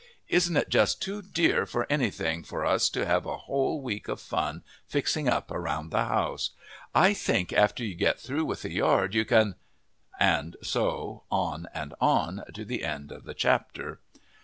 Isn't it just too dear for anything for us to have a whole week of fun fixing up around the house? I think after you get through with the yard you can " And so on and so on, to the end of the chapter!